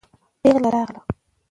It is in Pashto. پېغله راغله.